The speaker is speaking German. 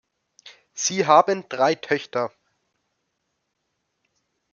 Sie haben drei Töchter.